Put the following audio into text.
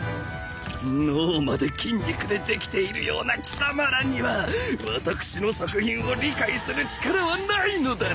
脳まで筋肉でできているような貴様らには私の作品を理解する力はないのだろう。